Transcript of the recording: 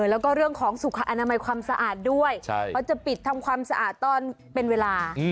แล้วก็เรื่องของสุขอนามัยความสะอาดด้วยเขาจะปิดทำความสะอาดตอนเป็นเวลา